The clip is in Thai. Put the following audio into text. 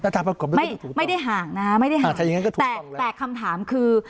ตามประกบไม่ได้ห่างนะแต่คำถามคือ